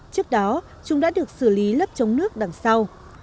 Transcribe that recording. trước đó chúng đã được xử lý lớp chống nước đằng sau